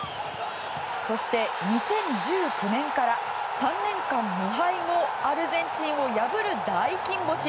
そして２０１９年から３年間無敗のアルゼンチンを破る大金星。